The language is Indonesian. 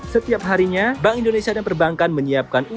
setiap harinya bank indonesia dan perbankan menyiapkan